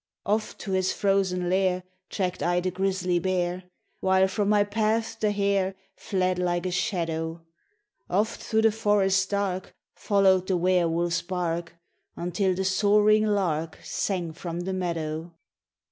"Oft to his frozen lair Tracked I the grisly bear, While from my path the hare Fled like a shadow; Oft through the forest dark Followed the were wolf's bark, Until the soaring lark Sang from the meadow.